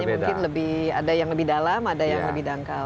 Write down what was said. mungkin ada yang lebih dalam ada yang lebih dangkal